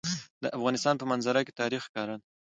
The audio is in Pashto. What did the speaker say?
د افغانستان په منظره کې تاریخ ښکاره ده.